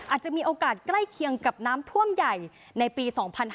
อาจจะมีโอกาสใกล้เคียงกับน้ำท่วมใหญ่ในปี๒๕๕๙